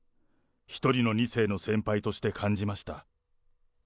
１人の２世の先輩として感じました。